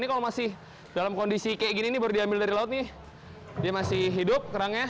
kalau masih dalam kondisi seperti ini baru diambil dari laut kerangnya masih hidup